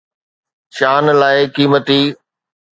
شان لاءِ قيمتي